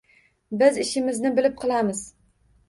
Biz ishimizni bilib qilamiz.